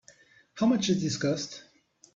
How much does this cost?